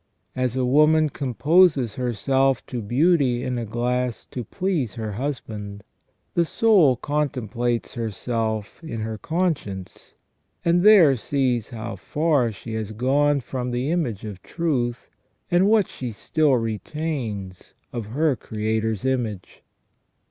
As a woman composes herself to beauty in a glass to please her husband, the soul contemplates herself in her conscience, and there sees how far she has gone from the image of truth, and what she still retains of her Creator's image."